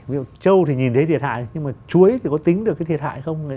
ví dụ châu thì nhìn thấy thiệt hại nhưng mà chuối thì có tính được cái thiệt hại không